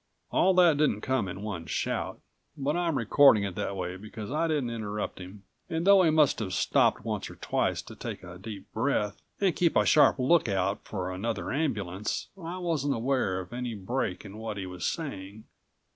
All that didn't come in one shout, but I'm recording it that way because I didn't interrupt him, and though he must have stopped once or twice to take a deep breath, and keep a sharp lookout for another ambulance I wasn't aware of any break in what he was saying.